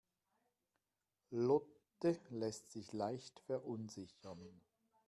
Lotte lässt sich leicht verunsichern.